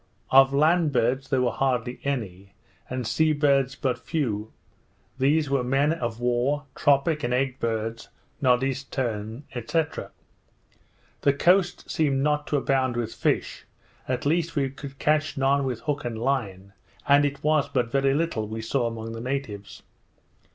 Of land birds there were hardly any, and sea birds but few; these were men of war, tropic, and egg birds, noddies, tern, &c. The coast seemed not to abound with fish, at least we could catch none with hook and line, and it was but very little we saw among the natives.